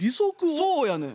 そうやねん。